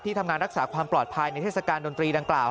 ทำงานรักษาความปลอดภัยในเทศกาลดนตรีดังกล่าว